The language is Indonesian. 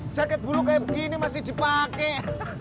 jaket bulu kayak begini masih dipakai